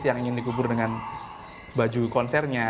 mereka akan ingin dikubur dengan baju konsernya